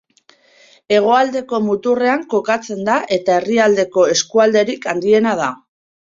Hegoaldeko muturrean kokatzen da eta herrialdeko eskualderik handiena da.